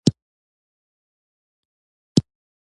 موزیلا ګډ غږ پروژه یوه اوپن سورس پروژه ده.